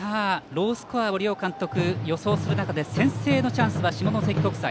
ロースコアを両監督が予想する中で先制のチャンスは下関国際。